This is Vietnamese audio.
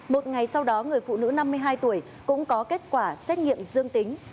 một ngày sau đó người phụ nữ năm mươi hai tuổi cũng có kết quả xét nghiệm dương tính